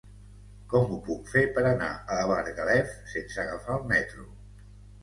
Com ho puc fer per anar a Margalef sense agafar el metro?